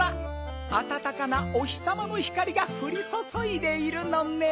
あたたかなお日さまのひかりがふりそそいでいるのねん。